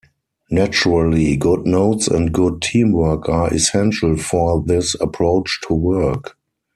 Naturally, good notes and good teamwork are essential for this approach to work.